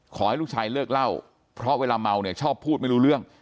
ขอให้ลูกชายเลิกเล่าเพราะเวลาเมาเนี่ยชอบพูดไม่รู้เรื่อง